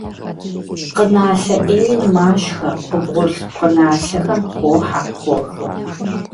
Пкъыналъэ «Ӏейр» машхэ, къыбгъурылъ пкъыналъэхэм хохьэ, хохъуэ.